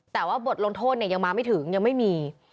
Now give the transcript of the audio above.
แต่ว่าบทลงโทษเนี่ยยังมาไม่ถึงยังไม่มี